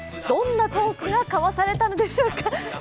どんなトークが交わされたのでしょうか。